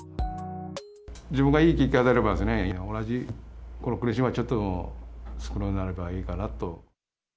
自分がいい結果が出れば、同じこの苦しみが、少なくなればいいかなと。